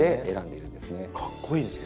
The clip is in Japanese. かっこいいですね。